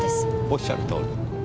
おっしゃるとおり。